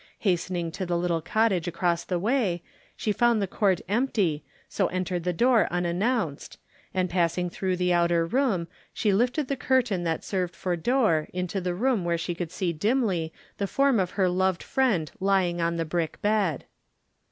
Hastening to the little cottage across the way, she found the court empty so entered the door unannounced, and passing through the outer room she lifted the curtain that served for door into the room where she could see dimly the form of her loved friend lying on the brick bed.